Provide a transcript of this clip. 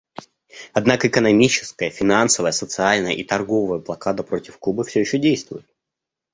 Однако экономическая, финансовая, социальная и торговая блокада против Кубы все еще действует.